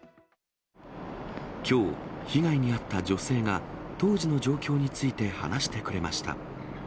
きょう、被害に遭った女性が、当時の状況について話してくれま